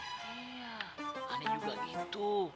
iya aneh juga gitu